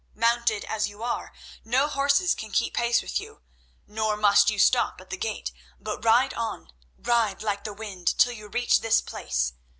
Mounted as you are, no horse can keep pace with you, nor must you stop at the gate, but ride on, ride like the wind till you reach this place.